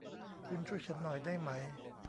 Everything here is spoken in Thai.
คุณช่วยฉันหน่อยได้ไหม ?